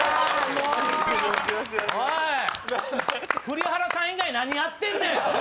栗原さん以外何やってんねん！